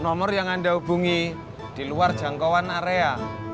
nomor yang anda hubungi diluar jangkauan area